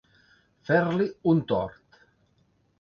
Fer-li un tort.